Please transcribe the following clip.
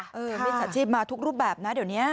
วิทยาศาสตร์ชีพมาทุกรูปแบบนะเดี๋ยวเนี้ย